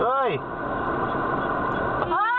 เห็นไฟเลี้ยวหรอ